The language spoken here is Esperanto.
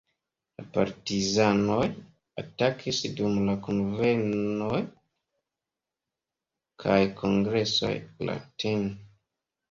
La "Partizanoj" atakis dum la kunvenoj kaj kongresoj la tn.